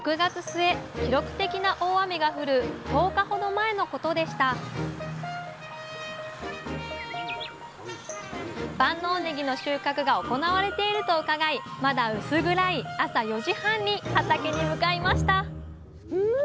記録的な大雨が降る１０日ほど前のことでした万能ねぎの収穫が行われていると伺いまだ薄暗い朝４時半に畑に向かいましたん！